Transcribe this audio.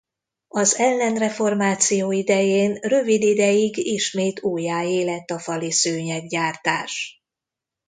Az ellenreformáció idején rövid ideig ismét újjáéledt a faliszőnyeg-gyártás.